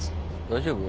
大丈夫？